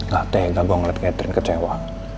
gak tega gue ngeliat catherine kecewa